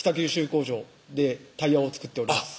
工場でタイヤを作っております